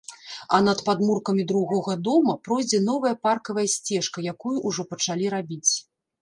А над падмуркамі другога дома пройдзе новая паркавая сцежка, якую ўжо пачалі рабіць.